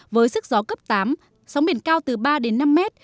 với sức gió cấp tám sóng biển cao từ ba đến năm mét